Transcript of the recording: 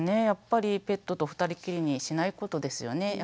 やっぱりペットと二人っきりにしないことですよね。